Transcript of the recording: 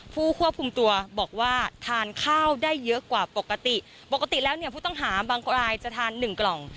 ผู้ควบคุมตัวบอกว่าทานข้าวได้เยอะกว่าปกติปกติแล้วเนี่ยผู้ต้องหาบางรายจะทานหนึ่งกล่อง